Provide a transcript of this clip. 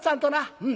「うん」。